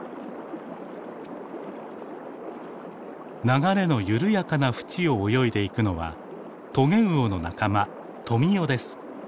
流れの緩やかなふちを泳いでいくのはトゲウオの仲間トミヨです。